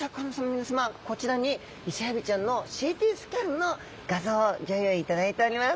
皆さまこちらにイセエビちゃんのＣＴスキャンの画像をギョ用意いただいております！